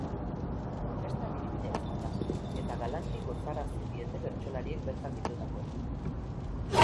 Festa biribila izan da eta galanki gozarazi diete bertsolariek bertan bildutakoei.